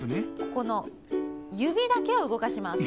ここのゆびだけをうごかします。